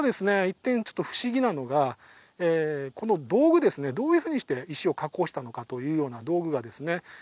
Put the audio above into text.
一点ちょっと不思議なのがこの道具ですねどういうふうにして石を加工したのかというような道具がですね